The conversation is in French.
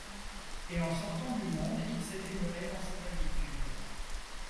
Et en sortant du monde, il s’était muré dans ses habitudes.